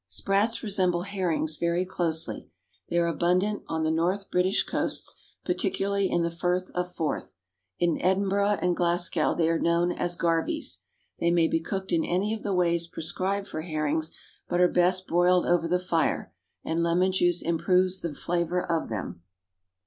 = Sprats resemble herrings very closely. They are abundant on the North British coasts, particularly in the Firth of Forth. In Edinburgh and Glasgow they are known as "garvies." They may be cooked in any of the ways prescribed for herrings, but are best broiled over the fire, and lemon juice improves the flavour of them.